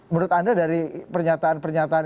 menurut anda dari pernyataan pernyataan